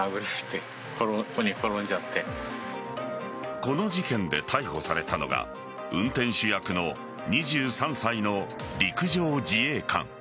この事件で逮捕されたのが運転手役の２３歳の陸上自衛官。